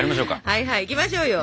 はいはいいきましょうよ。